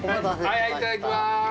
はい、いただきます。